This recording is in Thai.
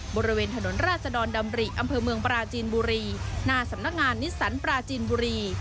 บริเวณถนนราชดรดำริอำเภอเมืองปราจีนบุรีหน้าสำนักงานนิสสันปราจีนบุรี